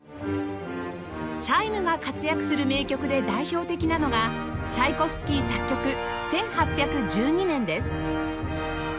チャイムが活躍する名曲で代表的なのがチャイコフスキー作曲『１８１２年』です